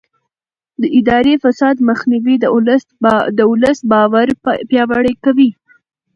د اداري فساد مخنیوی د ولس باور پیاوړی کوي.